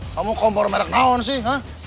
kamu kompor merk naon sih ha